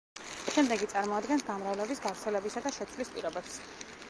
შემდეგი წარმოადგენს გამრავლების, გავრცელებისა და შეცვლის პირობებს.